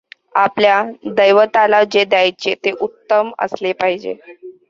आपल्या दैवताला जे द्यायचे ते उत्तम असले पाहिजे.